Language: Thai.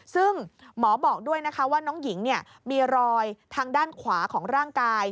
ซึ่งหมอบอกด้วยนะคะว่าน้องหญิงมีรอยทางด้านขวาของร่างกาย